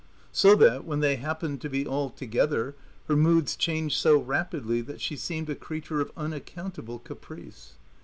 So that, when they happened to be all together, her moods changed so rapidly that she seemed a creature of unaccountable caprice.